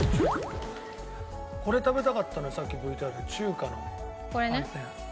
これ食べたかったなさっきＶＴＲで中華の寒天。